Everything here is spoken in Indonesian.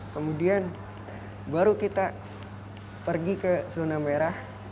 kemudian baru kita pergi ke zona merah